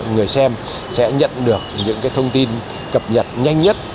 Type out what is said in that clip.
người xem sẽ nhận được những thông tin cập nhật nhanh nhất